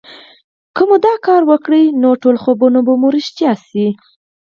که مو دا کار وکړ نو ټول خوبونه به مو رښتيا شي